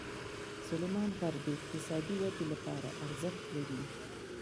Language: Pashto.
سلیمان غر د اقتصادي ودې لپاره ارزښت لري.